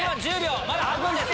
まだ半分です！